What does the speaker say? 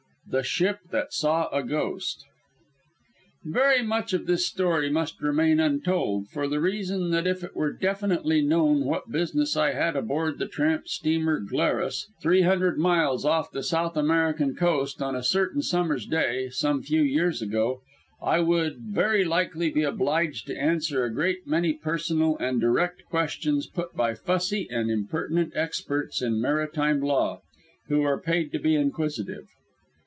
THE SHIP THAT SAW A GHOST Very much of this story must remain untold, for the reason that if it were definitely known what business I had aboard the tramp steam freighter Glarus, three hundred miles off the South American coast on a certain summer's day, some few years ago, I would very likely be obliged to answer a great many personal and direct questions put by fussy and impertinent experts in maritime law who are paid to be inquisitive.